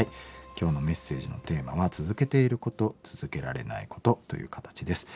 今日のメッセージのテーマは「続けていること続けられないこと」という形です。